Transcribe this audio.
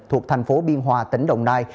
thuộc thành phố biên hòa tỉnh đồng nai